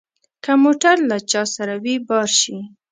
که موټر له چا سره وي بار شي.